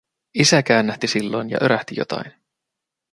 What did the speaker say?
Isä käännähti silloin ja örähti jotain.